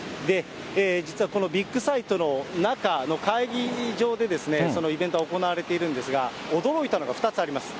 実はこのビッグサイトの中、会議場でそのイベントは行われているんですが、驚いたのが２つあります。